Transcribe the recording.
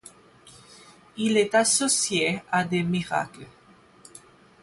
Il est associé à des miracles.